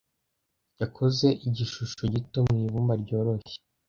Yakoze igishusho gito mu ibumba ryoroshye.